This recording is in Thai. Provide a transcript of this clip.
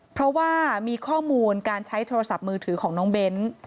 เพราะว่ามีข้อมูลการใช้โทรศัพท์มือถือของน้องเบ้น